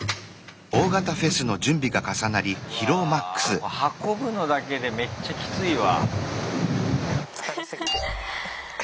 うわ運ぶのだけでめっちゃきついわ。